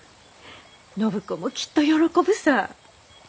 暢子もきっと喜ぶさぁ。